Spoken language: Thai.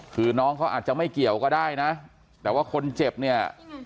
คือน้องเขาอาจจะไม่เกี่ยวก็ได้นะแต่ว่าคนเจ็บเนี่ย